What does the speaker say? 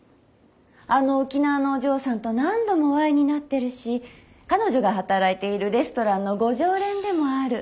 あの沖縄のお嬢さんと何度もお会いになってるし彼女が働いているレストランのご常連でもある。